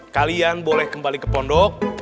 kalian boleh kembali ke pondok